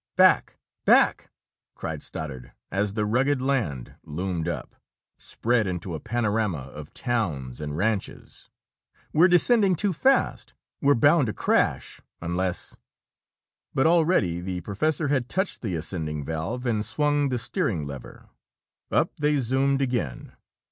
"Back back!" cried Stoddard, as the rugged land loomed up, spread into a panorama of towns and ranches. "We're descending too fast! We're bound to crash, unless " But already the professor had touched the ascending valve and swung the steering lever. Up they zoomed again.